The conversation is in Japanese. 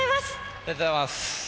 ありがとうございます。